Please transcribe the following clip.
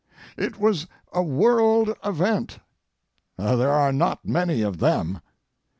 It was a world event—there are not many of them.